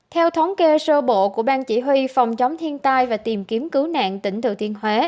theo thống kê sơ bộ của ban chỉ huy phòng chống thiên tai và tìm kiếm cứu nạn tỉnh thừa thiên huế